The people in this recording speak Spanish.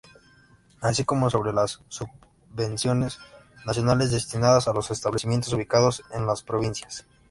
Así como sobre las subvenciones nacionales destinadas a los establecimientos ubicados en las provincias.